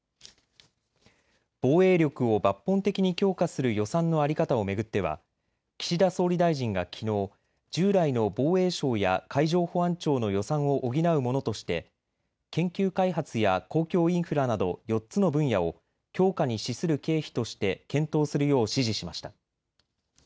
防衛力を抜本的に強化する予算の在り方を巡っては岸田総理大臣がきのう、従来の防衛省や海上保安庁の予算を補うものとして研究開発や公共インフラなど４つの分野を強化に資する経費として検討するよう指示しました。